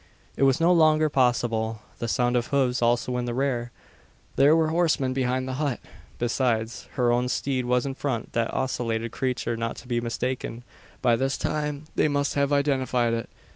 It was no longer possible. The sound of hoofs also in the rear! There were horsemen behind the hut! Besides, her own steed was in front that ocellated creature not to be mistaken. By this time they must have identified it!